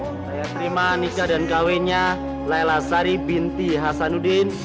saya terima nikah dan kawinnya laila sari binti hassanudin